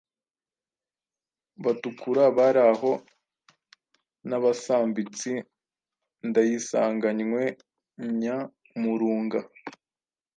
Batukura bari aho n'Abasambitsi Ndayisanganywe Nyamurunga